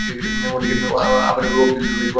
অনেকে আবার অপ্রকৃতিস্থ হইয়া আত্মহত্যা করে।